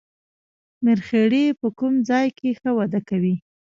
مرخیړي په کوم ځای کې ښه وده کوي